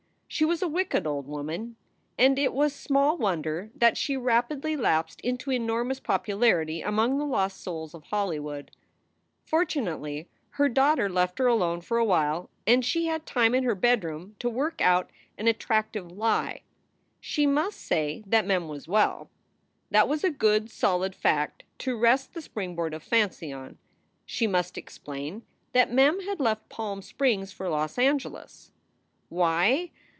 She was a wicked old woman, and it was small wonder that she rapidly lapsed into enormous popularity among the lost souls of Hollywood. Fortunately, her daughter left her alone for a while and she had time in her bedroom to work out an attractive lie. She must say that Mem was well. That was a good, solid fact to rest the springboard of fancy on. She must explain that Mem had left Palm Springs for Los Angeles. Why?